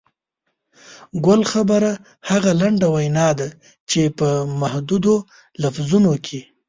ګل خبره هغه لنډه وینا ده چې په محدودو لفظونو کې.